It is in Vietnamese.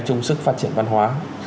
chung sức phát triển văn hóa